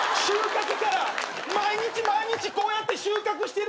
毎日毎日こうやって収穫してるから。